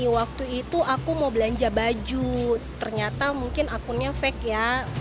waktu itu aku mau belanja baju ternyata mungkin akunnya fake ya